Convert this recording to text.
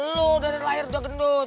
lu dari lahir udah gendut